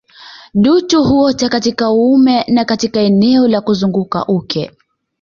Dutu huota katika uume na katika eneo la kuzunguka uke